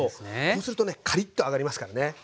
そうするとねカリッと揚がりますからね。